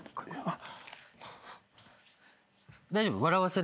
あっ。